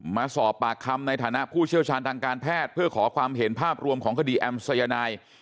มาสอบปากคำในฐานะผู้เชี่ยวชาญทางการแพทย์เพื่อขอความเห็นภาพรวมของคดีแอมสัยนาย